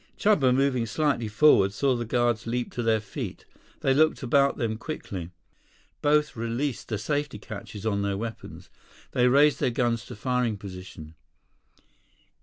Chuba, moving slightly forward, saw the guards leap to their feet. They looked about them quickly. Both released the safety catches on their weapons. They raised their guns to firing position.